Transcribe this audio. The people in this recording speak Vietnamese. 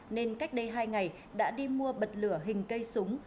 nên cách đây hai ngày đã đi mua bật lửa hình cây súng